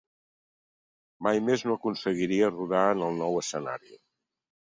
Mai més no aconseguiria rodar en el nou escenari.